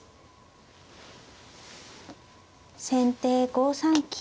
先手５三金。